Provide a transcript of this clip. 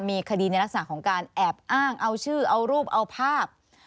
มีคดีในลักษณะของการแอบอ้างเอาชื่อเอารูปเอาภาพ